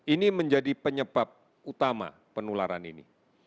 ini menjadi penyebab utama penularan ini